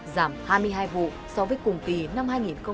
giảm hai mươi hai vụ so với cùng kỳ năm hai nghìn hai mươi hai